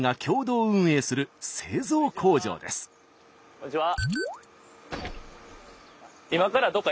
こんにちは。